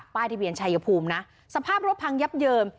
ทะเบียนชายภูมินะสภาพรถพังยับเยิน